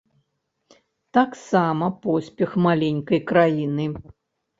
Таксама поспех маленькай краіны.